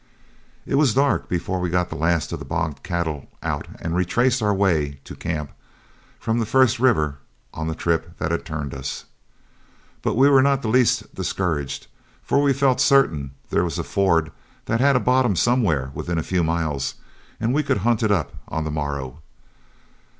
It was dark before we got the last of the bogged cattle out and retraced our way to camp from the first river on the trip that had turned us. But we were not the least discouraged, for we felt certain there was a ford that had a bottom somewhere within a few miles, and we could hunt it up on the morrow.